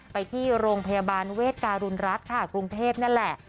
ไปที่โรงพยาบาลเวทการุณรัฐค่ะกรุงเทพนั่นแหละ